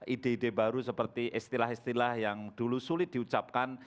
ide ide baru seperti istilah istilah yang dulu sulit diucapkan